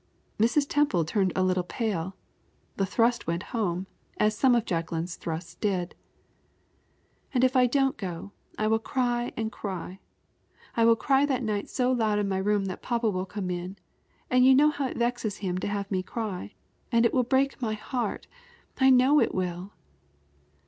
Mrs. Temple turned a little pale. The thrust went home, as some of Jacqueline's thrusts did. "And if I don't go, I will cry and cry I will cry that night so loud in my room that papa will come in, and you know how it vexes him to have me cry; and it will break my heart I know it will."